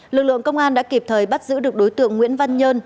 lực lượng công an đã kịp thời bắt giữ được đối tượng nguyễn văn nhơn